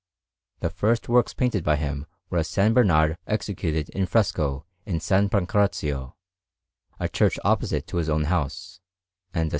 The first works painted by him were a S. Bernard executed in fresco in S. Pancrazio, a church opposite to his own house, and a S.